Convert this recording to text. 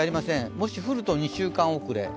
もし降ると２週間遅れ。